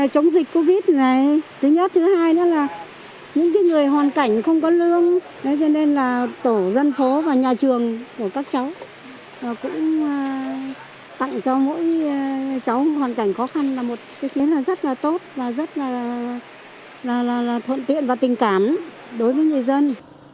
chống dịch covid này thứ nhất thứ hai là những người hoàn cảnh không có lương nên tổ dân phố và nhà trường của các cháu cũng tặng cho mỗi cháu hoàn cảnh khó khăn là một cái kiến rất là tốt và rất là thuận tiện và tình cảm đối với người dân